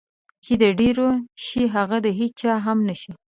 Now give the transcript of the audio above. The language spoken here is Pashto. چې د ډېرو شي هغه د هېچا هم نشي.